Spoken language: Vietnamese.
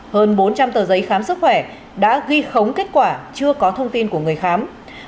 hơn bốn trăm linh tờ giấy khám sức khỏe đã ghi khống kết quả chưa có thông tin của người khám